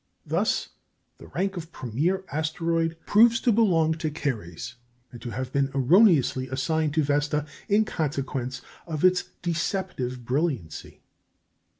Thus, the rank of premier asteroid proves to belong to Ceres, and to have been erroneously assigned to Vesta in consequence of its deceptive brilliancy.